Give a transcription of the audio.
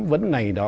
vẫn này đó